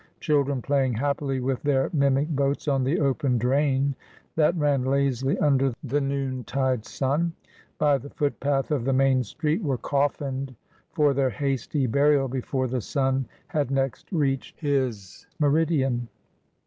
Children playing happily with their mimic boats on the open drain that ran lazily under the noontide sun, by the footpath of the main street, were coffined for their hasty burial before the sun had next reached his meridian.